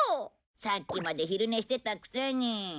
さっきまで昼寝してたくせに。